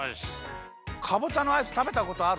かぼちゃのアイスたべたことある？